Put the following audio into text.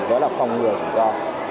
đó là phòng ngừa rủi ro